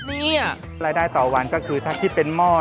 นี่รายได้ต่อวันก็คือถ้าที่เป็นหม้อ